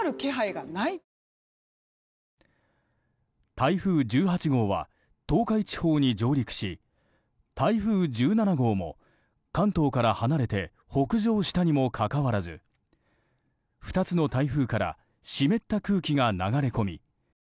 台風１８号は東海地方に上陸し台風１７号も、関東から離れて北上したのにもかかわらず２つの台風から湿った空気が流れ込み